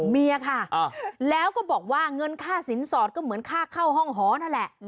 เมียค่ะแล้วก็บอกว่าเงินค่าสินสอดก็เหมือนค่าเข้าห้องหอนั่นแหละ